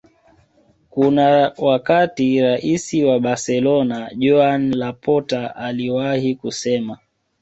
Kuna wakati Rais wa Barcolona Joan Laporta aliwahi kusema